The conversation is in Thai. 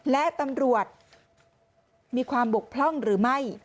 และตำรวจมีความบกพร่องหรือไม่